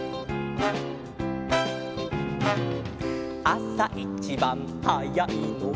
「あさいちばんはやいのは」